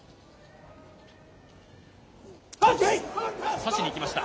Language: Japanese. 差しにいきました。